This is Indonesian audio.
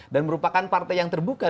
dan merupakan partai yang terbuka